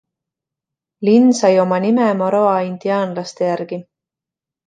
Linn sai oma nime Maroa indiaanlaste järgi.